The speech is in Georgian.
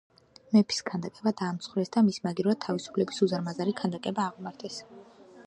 მეფის ქანდაკება დაამსხვრიეს და მის მაგივრად თავისუფლების უზარმაზარი ქანდაკება აღმართეს.